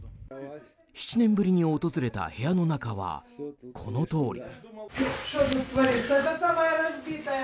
７年ぶりに訪れた部屋の中はこのとおり。